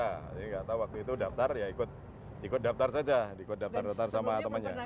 jadi nggak tahu waktu itu daftar ya ikut ikut daftar saja ikut daftar daftar sama temennya